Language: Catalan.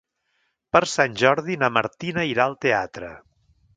Per Sant Jordi na Martina irà al teatre.